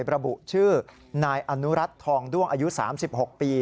ระบุชื่อนายอนุรัติทองด้วงอายุ๓๖ปี